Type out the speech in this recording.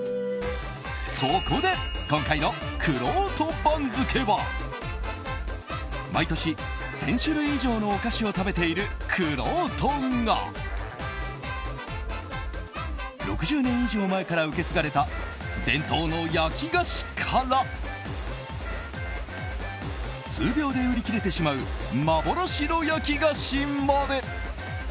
そこで、今回のくろうと番付は毎年１０００種類以上のお菓子を食べているくろうとが６０年以上前から受け継がれた伝統の焼き菓子から数秒で売り切れてしまう幻の焼き菓子まで。